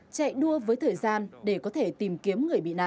chạy đua với thời gian để có thể tìm kiếm người bị nạn